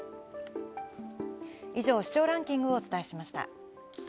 以上、視聴ランキングをお伝えしました。